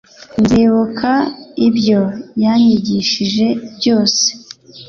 nzibuka ibyo yanyigishije byose.